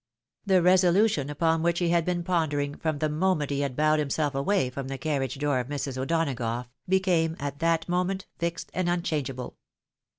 The resolution upon which he had been pondering from the moment he had bowed himself away from the carriage door of Mrs. O'Donagough, became at that moment fixed and unchange able.